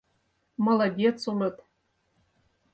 «Молодец улыт!